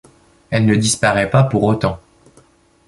Elle ne disparaît pas pour autant.